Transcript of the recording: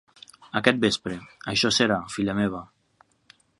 Aquest vespre. Això serà, filla meva.